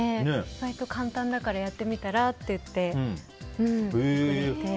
割と簡単だからやってみたらって言ってくれて。